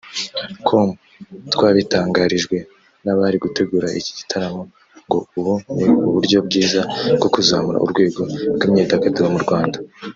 com twabitangarijwe nabari gutegura iki gitaramo ngo ubu ni uburyo bwiza bwo kuzamura urwego rw’imyidagaduro mu Rwanda